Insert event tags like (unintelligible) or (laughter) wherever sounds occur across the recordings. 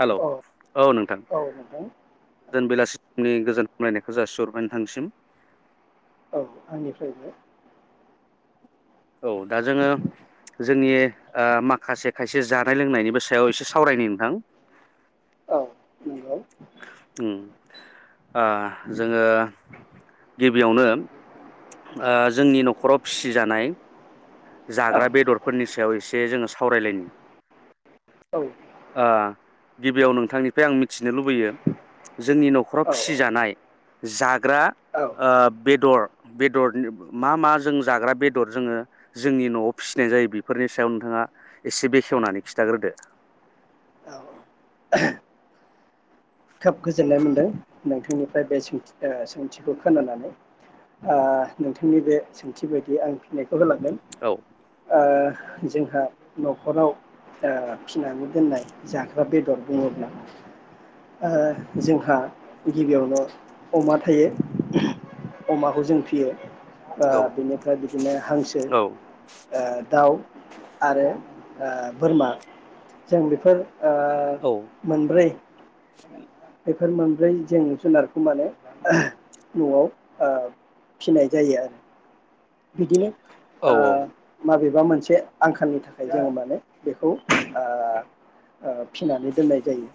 Hello औ औ नोंथां औ नोंथां गोजोन बेलासिनि गोजोन हामलायनाय जासिहरबाय नोंथांसिम औ आंनिफ्रायबो औ दा जोङो जोंनि ओ माखासे खायसे जानाय लोंनायनिबो सायाव एसे सावरायनि नोंथां औ नंगौ उम ओ जोङो गिबियावनो ओ जोंनि न'खराव फिसिजानाय औ जाग्रा बेदरफोरनि सायाव एस जे जोङो सावरायलायनो औ ओ गिबियाव नोंथांनिफ्राय आं मिथिनो लुबैयो जोंनि न'खराव फिसिजानाय जाग्रा औ ओ बेदर बेदर मा मा जों जाग्रा बेदर जोङो जोंनि न'आव फिसिनाय जायो बेफोरनि सायाव नोंथाङा एसे बेखेवनानै खिन्थाग्रोदो खोब गोजोननाय मोनदों नोंथांनिफ्राय बे सोंथि ओ सोंथिखौ खोनानानै ओ नोंथांनि बे सोंथि बायदि आं फिन्नायखौ होलांगोन औ ओ जोंहा न'खराव ओ फिसिनानै दोननाय जाग्रा बेदर बुङोब्ला ओ जोंहा गिबियावनो अमा थायो अमाखौ जों फियो ओ औ बिनिफ्राय बिदिनो हांसो औ दाउ आरो ओ बोरमा जों बेफोर औ ओ मोनब्रै बेफोर मोनब्रै जों जुनारखौ माने न'आव ओ फिनाय जायो आरो बिदिनो औ आ माबे बेबा मोनसे आंखालनि थाखाय जोङो माने बेखौ ओ ओ फिनानै दोननाय जायो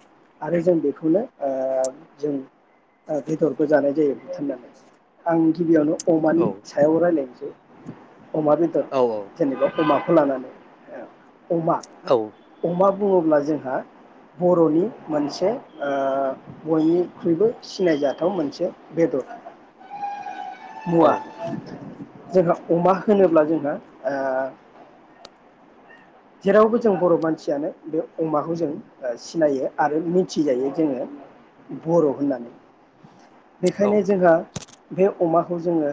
आरो जों बेखौनो ओ जों ओ बेदरबो जानाय जायो बुथारना आं गिबियावनो अमानि औ सायाव रायलायो (inaudible) अमा बेदर औ जेनेबा अमा लानानै औ अमा औ अमा बुङोब्ला जोंहा बर'नि मोनसे ओ बयनिख्रुइबो सिनायजाथाव मोनसे बेदर मुवा जोंहा अमा होनोब्ला जोंहा ओ जेरावबो जों बर' मानसियानो बे अमाखौ जों ओ सिनायो आरो मिथिजायो जोङो बर' होननानै औ बेखायनो जोंहा बे अमाखौ जोङो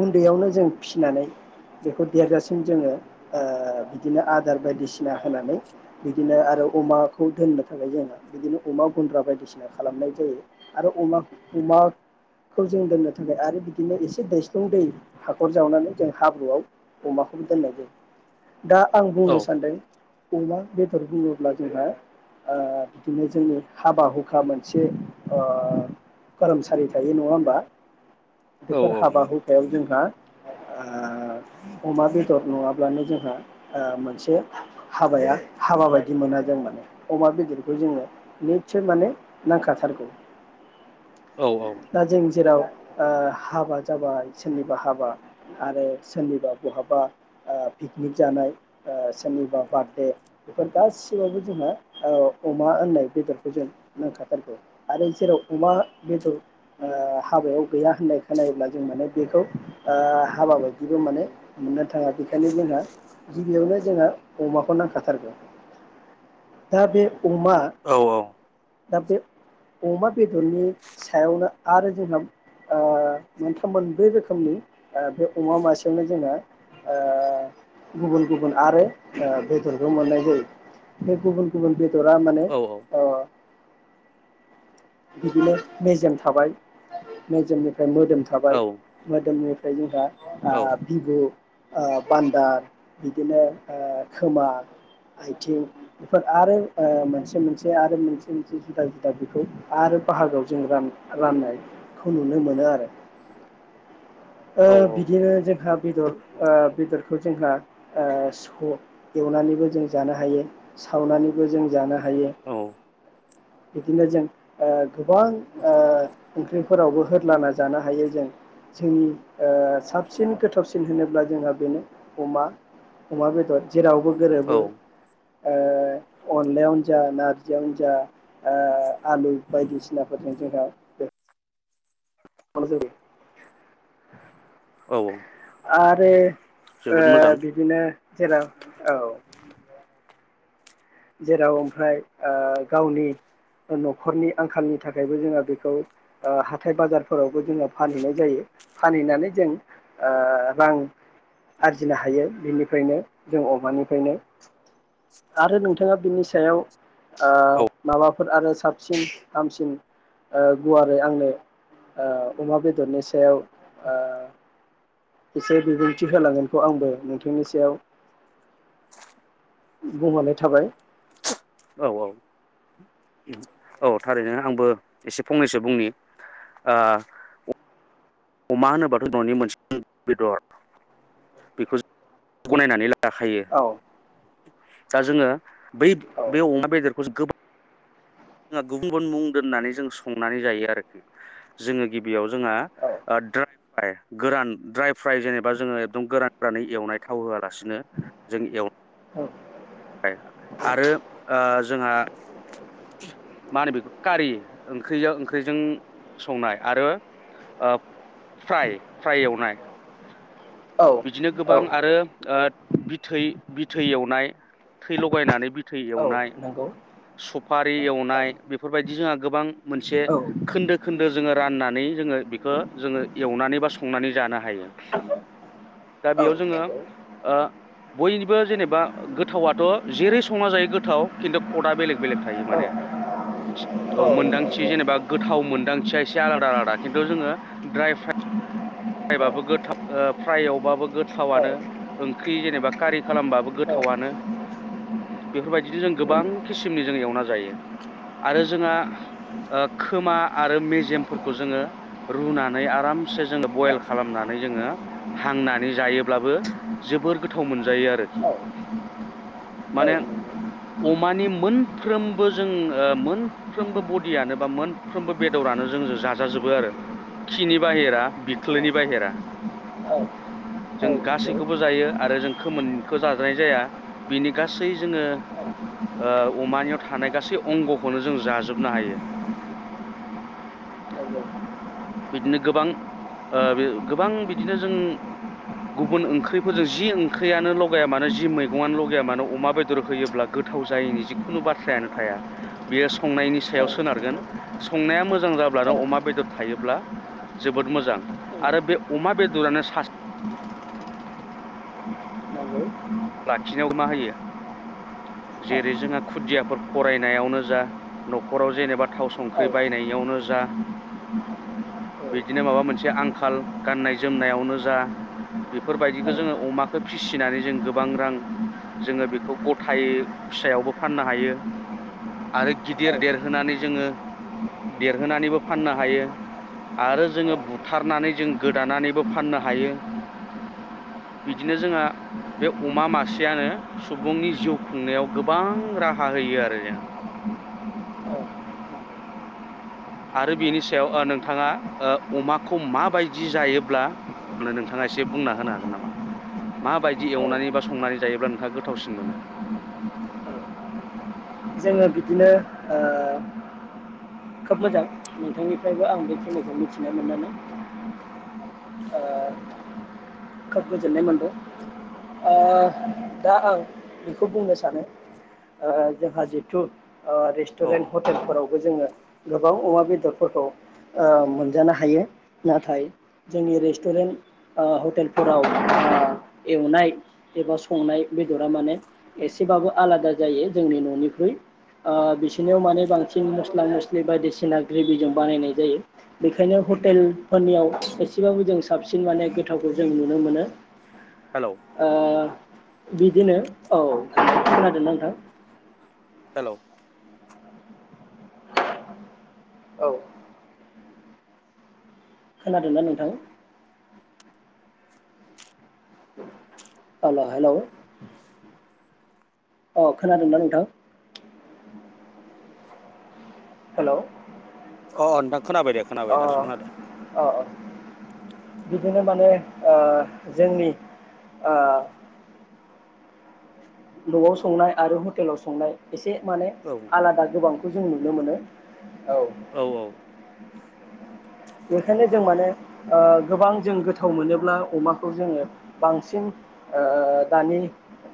उन्दैयावनो जों फिसिनानै बेखौ देरजासिम जोङो। ओ बिदिनो आदार बायदिसिना होनानै बिदिनो आरो अमाखौ दोननो थाखाय जोंङ बिदिनो अमा गन्द्रा बायदिसिना खालामनाय जायो आरोम अमाखौ जों दोननो थाखाय आरो बिदिनो एसे दैस्लं दै हाखर जावनानै जों हाब्रुआव अमाखौबो दोननाय जायो। दा आं बुंनो सान्दों अमा बेदर बुङोब्ला जोंहा बिदिनो जोंनि हाबा हुखा मोनसे खोरोमसालि थायो नङा होमबा बेफोर हाबा औ हुखायाव जों अमा बेदर नङाब्लानो जोंहा मोनसे हाबाया हाबा बायदि मोन जों माने अमा बेदरखौ जोङो निस्सय माने नांखाथारगौ दा जों जेराव हाबा जाबाय सोरनिबा हाबा आरो सोरनिबा बहाबा पिकनिक जानाय सोरनिबा बार्थडे बेफोर गासिबावबो जोंहा अमा होननाय बेदरखौ जों नांखाथारगौ आरो जेराव अमा बेदर हाबायाव गैया होननाय खोनायोला जों माने बेखौ हाबा बायदिबो माने मोना थाङा बेखायनो जोंहा गिबियावनो जोंहा अमाखौ नांखाथारगौ दा बे अमा दा बे अमा बेदरनि सायावनो आरो जोंहा मोनथाम मोनब्रै रोखोमनि बे अमा मासेयावनो जोंहा गुबुन गुबुन आरो बेदरबो मोननाय जायो बे गुबुन गुबुन बेद जरा माने अ बिदिनो मेजेम थाबाय मेजेमनि ओमफ्राय मोदोम थाबाय मोदोमनिफ्राय (unintelligible) जोंहा आ बिबु बान्दार बिदिनो खोमा आइथिं बेफोर आरो मोनसे मोनसे आरो मोनसे मोनसे जुदा जुदा बेखौ आरो बाहागोआव जों राननायखौ नुनो मोनो आरो ओ बिदिनो जोंहा बेदर बेदर बेखौ जोंहा एवनानैबो जों जानो हायो सावनानैबो जों जानो हायो हायो बिदिनो जों गोबां ओंख्रिफोरावबो होलाना जानो हायो जों जोंनि साबसिन गोथावसिन होनोब्ला जोंहा बेनो अमा अमा बेदर जेरावबो गोरोबो औ औ अनलायावनो जा नारजि अनो जा आलु बायदिसिनाफोरजों जोंहा बे (unintelligible) औ औ आरो ओ जोबोद मोजां बिदिनो जेराव औ जेराव ओमफ्राय गावनि न'खरनि आंखालनि थाखायबो जोङो बेखौ हाथाय बाजारफोरावबो जोङो फानहैनाय जायो फानहैनानै जों रां आरजिनो हायो बिनिफ्रायनो जों अमानिफ्रायनो आरो नोंथ बिथाङा बिनि सायाव औ माबाफोर आरो साबसिन हामसिन गुवारै आंनो अमा बेदरनि सायाव ओ एसे बिबुंथि होलांगोनखौ आंबो नोंथांनि सायाव बुंनानै थाबाय औ औ औ थारैनो आंबो एसे फंनैसो बुंनि अमा होनोबाथ' न'नि मोनसे बेदर बेखौ गनायनानै ला लाखायो औ दा जोंङो बै औ बे अमा बेदरखौ गोबा जोंहा गुबुन गुबुन मुं दोननानै जों संनानै जायो आरोखि जोंङो गिबियाव जोंहा औ ड्राय फ्राय गोरान ड्राय फ्राय जेनेबा जोंङो एकदम गोरान नै एवनाय थाव होआलासिनो जों एव आरो ओ जोंहा। मा होनो बेखौ कारि ओंख्रिजो ओंख्रिजों संनाय आरो फ्राय फ्राय एवनाय। औ बिदिनो गोबां आरो ओ बिथै बिथै एवनाय थै लगायनानै बिथै औ एवनाय नंगौ सफारि औ नंगौ औ नंगौ औ उम औ नंगौ औ नंगौ औ नंगौ औ नंगौ औ उम नंगौ औ एवनाय बेफोरबायदि जोंहा गोबां मोनसे खोन्दो खोन्दो जोङो राननानै जोंङो बेखौ जोंङो एवनानै बा संनानै जानो हायो। दा बेयाव जोङो ओ बयबो जेनेबा गोथावथ जेरै संना जायो गोथाव खिन्थु खटआ बेलेग बेलेग थायो माने औ मोनदांथि जेनेबा गोथाव मोनदांथिया एसे आलादा आलादा खिन्थु जोंङो ड्राय फ्राइ। फ्रायबाबो गोथाव ओ फ्राय एवबाबो गोथावनो ओंख्रि जेनेबा कारि खालामबाबो गोथावनो बेफोरबायदिनो जों गोबां किसिमनि जों एवना जायो आरो जोंहा ओ खोमा आरो मेजेमफोरखौ जोंङो रुनानै आरामसे जोंङो बयल। खालामनानै जोङो हांनानै जायोब्लाबो जोबोर गोथाव मोनजायो आरोखि माने अमानि मोनफ्रोमबो जों ओ मोनफ्रोमबो बदियानो बा मोनफ्रोमबो बेदरानो जोंजों जाजा जोबो आरो खिनि बाहेरा बिख ख्लोनि बहेरा जों गासैखौबो जायो आरो जों खोमोनखौ जाजानाय जाया बिनि गासै जोंङो ओ अमानियाव थानाय गासै अंगखौनो जों जाजोबनो हायो। बिदिनो गोबां ओ गोबां बिदिनो जों गुबुन ओंख्रिफोरजों जि ओंख्रियानो लगाया मानो जि मैगंआानो लगाया मानो अमा बेदर होयोब्ला गोथाव जायैनि जिखुनु बाथ्रायानो थाया बेयो संनायनि सायाव औ सोनारगोन संनाया मोजां जाब्लानो औ अमा औ बेदर थायो। ब्ला जोबोद मोजां आरो बे अमा बेदरानो सास लाखिनायाव मा होयो। जेरै जोंहा खुदियाफोर फरायनायावनो जा न'खराव जेनेबा थाव संख्रि बायनायावनो जा बिदिनो माबा मोनसे आंखाल गाननाय जोमनायावनो जा बेफोरबायदिखो जोङो अमाखौ फिसिनानै जों गोबां रां जोङो बेखौ गथ थाइ फिसायावबो फाननो हायो आरो गिदिर देरहोनानै जोंङो देरहोनानैबो फाननो हायो आरो जोंङो बुथारनानै जों गोदानानैबो फाननो हायो बिदिनो जोंहा बे अमा मासेयानो सुबुंनि। जिउ खुंनायाव गोबां राहा होयो आरो जों। आरो बेनि सायाव ओ नोंथाङा ओ अमाखौ माबायदि जायोब्ला नोंथाङा एसे बुंना होनो हागोन नामा माबायदि एवनानै बा संनानै जायोब्ला नोंथाङा गोथावसिन मोनो? जोंङो बिदिनो ओ खोब मोजां नोंथांनिफ्रायबो आं बेखिनिखौ मिथिनो मोननानै। ओ खोब गोजोननाय मोनदों ओ दा आं बेखौ बुंनो सानो जोंहा ओ जिथु। ओ औ रेस्टुरेन्ट हटेलफोरावबो जोंङो गोबां अमा। बेदरफोरखौ ओ मोनजानो हायो नाथाय जोंनि रेस्टुरेन्ट ओ हटेल। फोराव ओ एवनाय एबा संनाय बेदरा माने एसेबाबो आलादा जायो जोंनि ननिख्रुइ ओ बिसोरनियाव माने बांसिन मस्ला मस्लि बायदिसिना ग्रेभिजों बानायनाय जायो बेखायनो हटेलफोरनियाव एसेबाबो जों साबसिन माने गोथाव गो जों नुनो मोनो। हेलौ ओ बिदिनो औ खोनादोंना नोंथां? हेलौ औ खोनादोंना नोंथां। हेलौ' हेलौ अ खोनादोंना नोंथां? हेलौ अ अ नोंथां। खोनाबाय दे अ खोनाबाय दासो खोनादो। अ अ बिदिनो माने ओ जोंनि ओ नआव संनाय आरो हटेलाव संनाय। एसे माने आलादा गोबांखौ। जों नुनो मोनो। औ औ-औ बेखायनो जों माने ओ गोबां जों गोथाव मोनोब्ला अमाखौ जोंङो बांसिन ओ दानि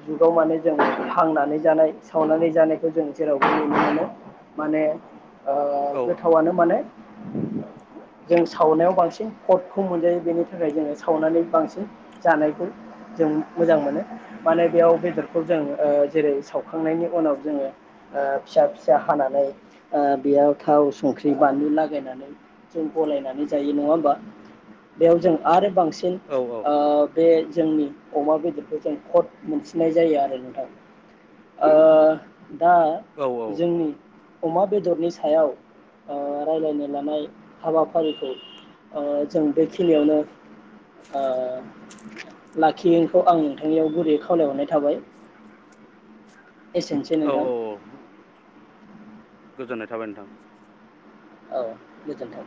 जुगाव माने जों हांनानै जानाय सावनानै जानायखौ जों जेरावबो नुनो मोनो माने। ओ औ गोथावनो माने। (inaudible) जों सावनायाव बांसिन खटखौ मोनजायो बेनि थाखाय जोंङो सावनानै बांसिन जानायखौ जों मोजां मोनो माने बेयाव बेदरखौ जों ओ जेरै सावखांनायनि उनाव जोंङो फिसा फिसा हानानै ओ बेयाव थाव संख्रि बानलु लागायनानै। जों गलायनानै जायो नंङा होमबा बेयाव जों आरो बांसिन। औ बे ओ बे। जोंनि अमा बेदरखौ जों खद मोनसिननाय जायो आरो नोंथां ओ दा औ जोंनि अमा बेदरनि सायाव ओ रायलायनो लानाय हाबाफारिखौ ओ जों बेखिनियावनो अ लाखियोखौ आं नोंथांनियाव गुरै खावलायहरनाय थाबाय। एसेनोसै औ नोंथां। गोजोननाय थाबाय नोंथां। औ गोजोन्थों